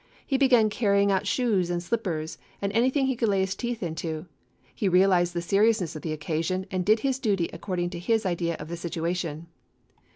He began carrying out shoes and slippers and anything he could lay his teeth to. He real ized the seriousness of the occasion, and did his duty according to his idea of the situation.